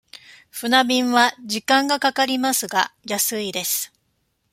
船便は時間がかかりますが、安いです。